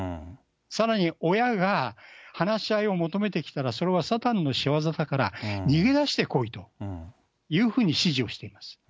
さらに親が話し合いを求めてきたら、それはサタンの仕業だから逃げ出してこいというふうに指示をしています。